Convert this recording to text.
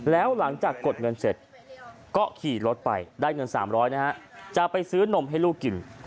แล้วหลังจากกดเงินเสร็จก็ขี่รถไปได้เงิน๓๐๐นะฮะจะไปซื้อนมให้ลูกกิน